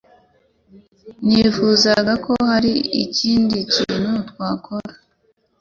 Nifuzaga ko hari ikindi kintu twakora.